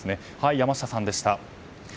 山下さんでした。